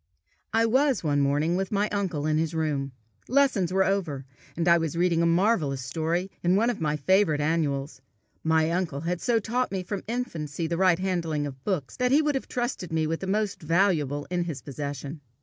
I was one morning with my uncle in his room. Lessons were over, and I was reading a marvellous story in one of my favourite annuals: my uncle had so taught me from infancy the right handling of books, that he would have trusted me with the most valuable in his possession.